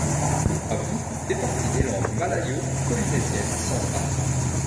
Le habu fait partie des langues malayo-polynésiennes centrales.